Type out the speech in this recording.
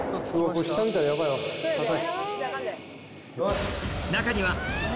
高い！